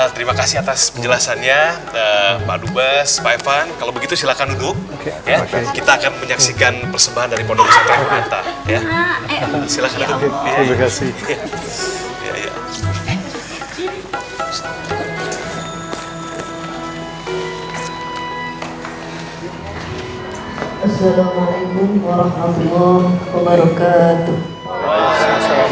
terima kasih atas penjelasannya pak dubes pak evan kalau begitu silakan duduk terima kasih atas penjelasannya pak dubes pak evan kalau begitu silakan duduk